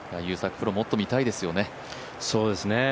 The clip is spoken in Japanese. プロ、もっと見たいですよね。